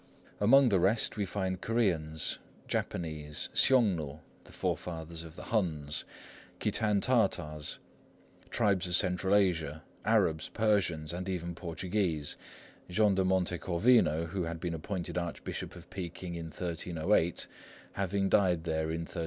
Among the rest we find Koreans, Japanese, Hsiung nu (the forefathers of the Huns), Kitan Tartars, tribes of Central Asia, Arabs, Persians, and even Portuguese, Jean de Montecorvino, who had been appointed archbishop of Peking in 1308, having died there in 1330.